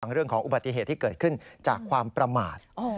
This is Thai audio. เรื่องของอุบัติเหตุที่เกิดขึ้นจากความประมาท